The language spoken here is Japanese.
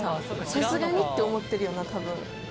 さすがにって思ってるよな多分。